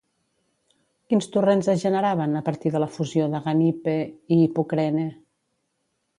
Quins torrents es generaven a partir de la fusió d'Aganippe i Hipocrene?